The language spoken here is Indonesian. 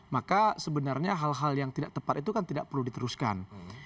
maka sebenarnya hal hal yang tidak tepat itu kan tidak perlu diteruskan